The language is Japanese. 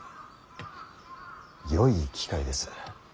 よい機会です